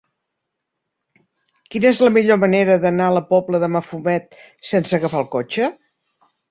Quina és la millor manera d'anar a la Pobla de Mafumet sense agafar el cotxe?